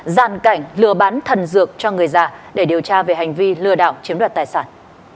giàn cảnh lừa bán thần dược cho người già để điều tra về hành vi lừa đảo chiếm đoạt tài sản